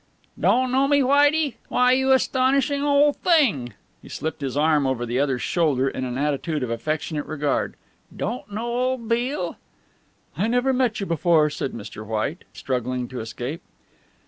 "Don't know me, Whitey? Why you astonishing old thing!" He slipped his arm over the other's shoulder in an attitude of affectionate regard. "Don't know old Beale?" "I never met you before," said Mr. White, struggling to escape.